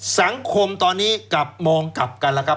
สังคมตอนนี้กลับมองกลับกันแล้วครับ